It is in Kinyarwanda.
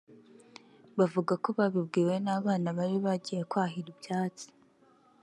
bavuga ko babibwiwe n’abana bari bagiye kwahira ibyatsi